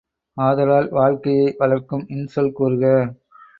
ஆதலால் வாழ்க்கையை வளர்க்கும் இன்சொல் கூறுக!